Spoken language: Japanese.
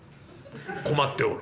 困っておる」。